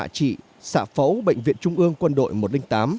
sạ trị sạ phẫu bệnh viện trung ương quân đội một trăm linh tám